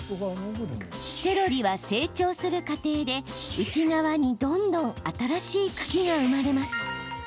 セロリは成長する過程で、内側にどんどん新しい茎が生まれます。